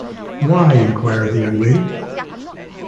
‘Why?” inquired the young lady.